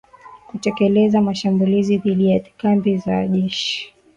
kutekeleza mashambulizi dhidi ya kambi za jeshi